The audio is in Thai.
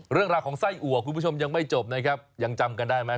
เรื่องราวของไส้อัวคุณผู้ชมยังไม่จบนะครับยังจำกันได้ไหม